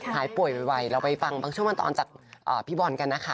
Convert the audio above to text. หายป่วยไวเราไปฟังบางช่วงบางตอนจากพี่บอลกันนะคะ